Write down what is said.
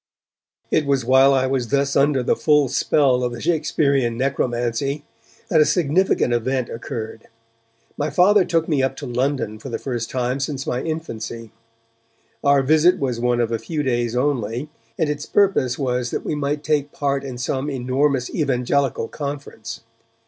It was while I was thus under the full spell of the Shakespearean necromancy that a significant event occurred. My Father took me up to London for the first time since my infancy. Our visit was one of a few days only, and its purpose was that we might take part in some enormous Evangelical conference.